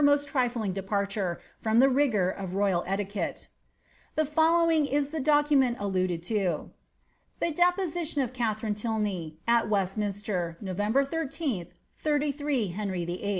most trifling departure from the rigour of royal etiquette. The following is the document alluded to :^^ The deposition of Kt* ■ tharine Tylney, at Westminster, November 13th, 33 Henry VIII.'